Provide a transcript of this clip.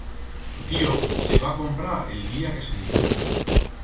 Su tío la i va comprar el día que se'n iba.